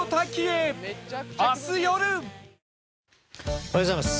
おはようございます。